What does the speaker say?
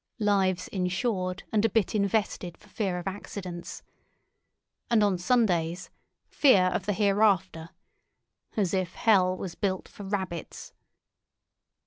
Lives insured and a bit invested for fear of accidents. And on Sundays—fear of the hereafter. As if hell was built for rabbits!